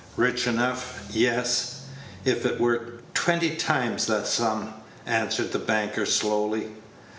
"Rich enough! Yes, if it were twenty times the sum," answered the banker, slowly.